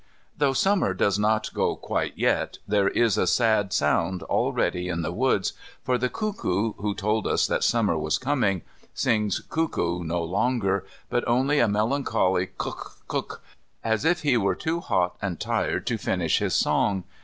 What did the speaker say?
Though Summer does not go quite yet, there is a sad sound already in the woods, for the cuckoo who told us that Summer was coming, sings cuckoo no longer, but only a melancholy cuck, cuck, as if he were too hot and tired to finish his song.